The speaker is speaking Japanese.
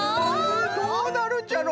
どうなるんじゃろう？